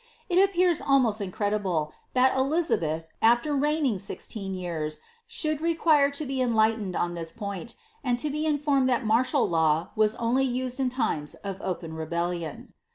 It appears almost incredible that Elizabeth, after reigning sixteen years, should re quite lo be enlightened on this point ; and to be informed [hat martial law was only used in limes of open rebellion.'